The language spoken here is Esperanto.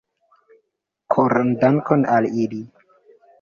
Koran dankon al ili.